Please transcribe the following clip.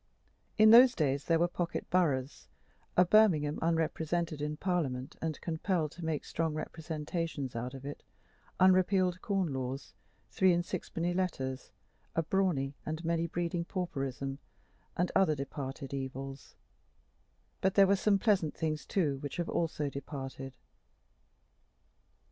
In those days there were pocket boroughs, a Birmingham unrepresented in Parliament and compelled to make strong representations out of it, unrepealed corn laws, three and sixpenny letters, a brawny and many breeding pauperism, and other departed evils; but there were some pleasant things, too, which have also departed.